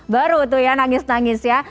baru tuh ya nangis nangis ya